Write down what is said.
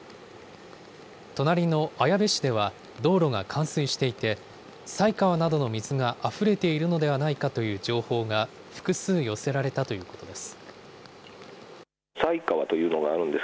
隣の綾部市では道路が冠水していて、犀川などの水があふれているのではないかという情報が複数寄せられたということです。